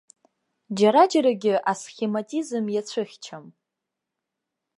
Џьара-џьарагьы асхематизм иацәыхьчам.